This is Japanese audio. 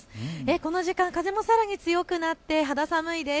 この時間、風もさらに強くなって肌寒いです。